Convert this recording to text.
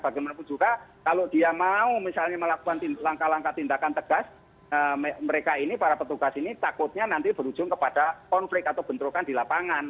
bagaimanapun juga kalau dia mau misalnya melakukan langkah langkah tindakan tegas mereka ini para petugas ini takutnya nanti berujung kepada konflik atau bentrokan di lapangan